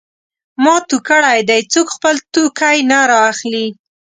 ما تو کړی دی؛ څوک خپل توکی نه رااخلي.